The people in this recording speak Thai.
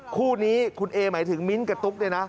คู่นี้คุณเอภาคหมายถึงมิ้นท์กับตุ๊ก